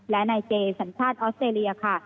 และนายเจสัญชาติออสเตรเลียค่ะ